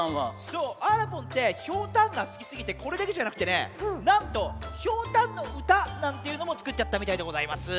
そうあらぽんってひょうたんがすきすぎてこれだけじゃなくってねなんとひょうたんのうたなんていうのもつくっちゃったみたいでございます。